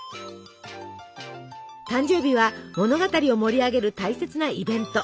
誕生日は物語を盛り上げる大切なイベント。